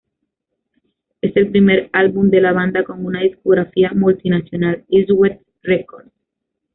Es el primer álbum de la banda con una discográfica multinacional, Eastwest Records.